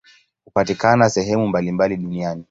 Hupatikana sehemu mbalimbali duniani.